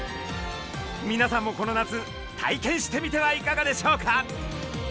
みなさんもこの夏体験してみてはいかがでしょうか？